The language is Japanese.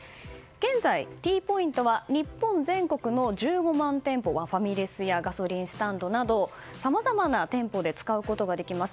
現在、Ｔポイントは日本全国の１５万店舗ファミレスやガソリンスタンドなどさまざまな店舗で使うことができます。